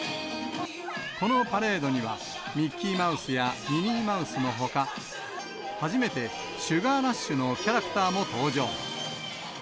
このパレードには、ミッキーマウスやミニーマウスのほか、初めて、シュガー・ラッシュのキャラクターも登場。